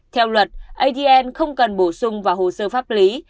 theo luật adn không cần bổ sung vào hồ sơ pháp lý